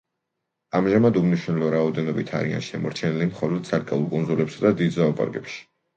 ამჟამად უმნიშვნელო რაოდენობით არიან შემორჩენილი მხოლოდ ცალკეულ კუნძულებსა და დიდ ზოოპარკებში.